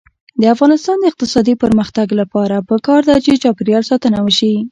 د افغانستان د اقتصادي پرمختګ لپاره پکار ده چې چاپیریال ساتنه وشي.